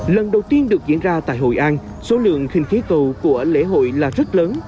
lần đầu tiên được diễn ra tại hội an số lượng khinh khí cầu của lễ hội là rất lớn